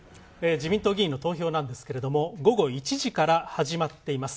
自民党議員の投票なんですけれども午後１時から始まっています。